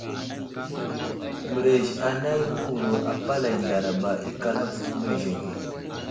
Mərez anay awuro apalay ndaraɓa ikal avohw i mərez age.